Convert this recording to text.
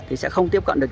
thì sẽ không tiếp cận được